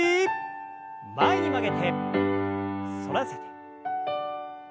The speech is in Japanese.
前に曲げて反らせて。